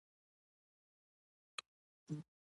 د پیرودونکي باور د انسانیت روح دی.